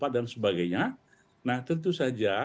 dan sebagainya nah tentu saja